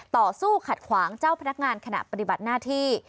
ต่อสู้ขัดขวางเจ้าพนักงานขณะปฏิบัติหน้าที่